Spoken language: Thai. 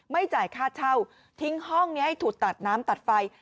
ไม่จ่ายค่าเช่าทิ้งห้องนี้ให้ถูกตัดน้ำตัดไฟ